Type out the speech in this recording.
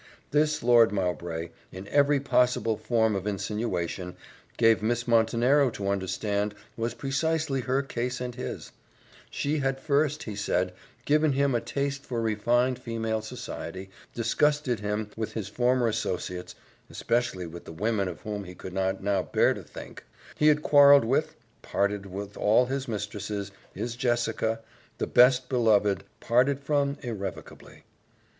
This Lord Mowbray, in every possible form of insinuation, gave Miss Montenero to understand was precisely her case and his; she had first, he said, given him a taste for refined female society, disgusted him with his former associates, especially with the women of whom he could not now bear to think; he had quarrelled with parted with all his mistresses his Jessica, the best beloved parted from irrevocably.